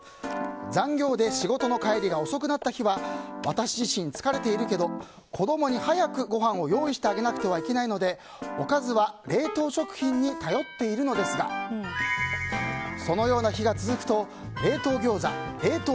残業で仕事の帰りが遅くなった日は私自身疲れているけど子供に早くごはんを用意してあげなくてはいけないのでおかずは冷凍食品に頼っているのですがそのような日が続くと冷凍ギョーザ、冷凍